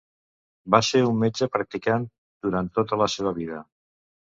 Va ser un metge practicant durant tota la seva vida.